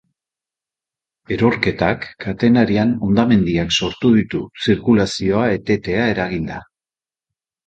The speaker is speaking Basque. Erorketak, katenarian hondamendiak sortu ditu zirkulazioa etetea eraginda.